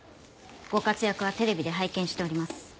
ご活躍はテレビで拝見しております。